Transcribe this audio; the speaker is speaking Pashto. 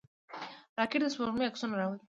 راکټ د سپوږمۍ عکسونه راوړل